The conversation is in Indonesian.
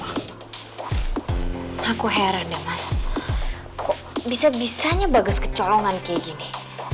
aku heran ya mas kok bisa bisanya bagus kecolongan kayak gini